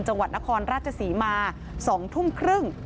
จังหวัดนครราชศรีมา๒ทุ่มครึ่ง